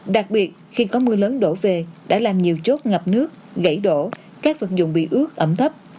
đặc biệt khi có mưa lớn đổ về đã làm nhiều chốt ngập nước gãy đổ các vật dụng bị ướt ẩm thấp